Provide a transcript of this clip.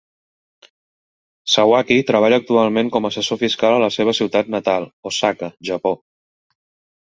Sawaki treballa actualment com a assessor fiscal a la seva ciutat natal, Osaka, Japó.